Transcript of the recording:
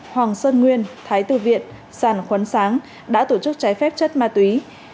hoàng sơn nguyên thái từ việt sàn khuấn sáng đã tổ chức trái phép chất ma túy